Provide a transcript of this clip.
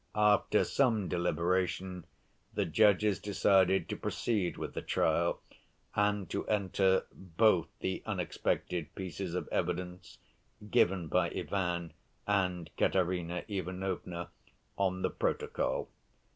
After some deliberation, the judges decided to proceed with the trial and to enter both the unexpected pieces of evidence (given by Ivan and Katerina Ivanovna) on the protocol.